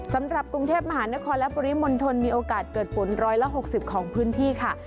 สำหรับกรุงเทพมหานครและบุริมนธรรมมีโอกาสเกิดฝนร้อยละหกสิบของพื้นที่ค่ะ